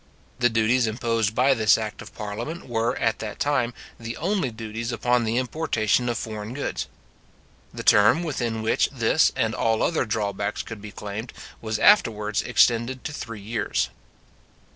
The duties imposed by this act of parliament were, at that time, the only duties upon the importation of foreign goods. The term within which this, and all other drawbacks could be claimed, was afterwards (by 7 Geo. I. chap. 21. sect. 10.) extended to three years.